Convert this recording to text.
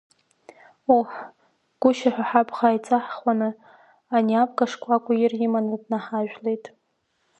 Оҳ, гәышьа ҳәа ҳабӷа ааиҵаҳхуаны, ани Абга шкәакәа ир иманы днаҳажәлеит.